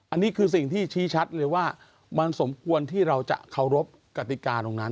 อันนี้คือสิ่งที่ชี้ชัดเลยว่ามันสมควรที่เราจะเคารพกติกาตรงนั้น